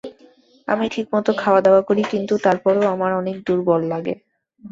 আমি ঠিকমত খাওয়া দাওয়া করি কিন্তু তারপরও আমার অনেক দূর্বল লাগে।